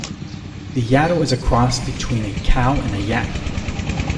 The yattle is a cross between a cow and a yak.